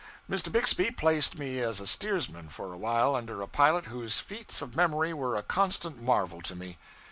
Mr. Bixby placed me as steersman for a while under a pilot whose feats of memory were a constant marvel to me.